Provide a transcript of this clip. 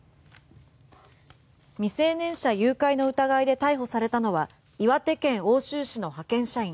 未成年者誘拐の疑いで逮捕されたのは岩手県奥州市の派遣社員